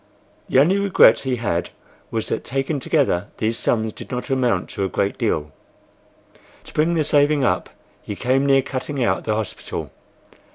The only regret he had was that taken together these sums did not amount to a great deal. To bring the saving up he came near cutting out the hospital.